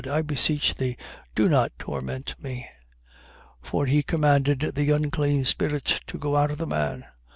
I beseech thee, do not torment me. 8:29. For he commanded the unclean spirit to go out of the man.